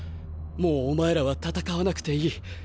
もうお前らは戦わなくていい！